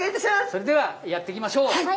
それではやっていきましょう！